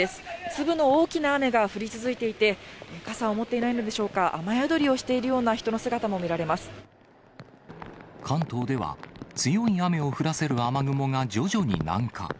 粒の大きな雨が降り続いていて、傘を持っていないのでしょうか、雨宿りをしているような人の姿も関東では、強い雨を降らせる雨雲が徐々に南下。